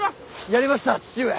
やりました父上！